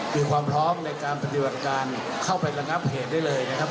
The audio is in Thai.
คือความพร้อมในการปฏิบัติการเข้าไประงับเหตุได้เลยนะครับ